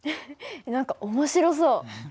何か面白そう。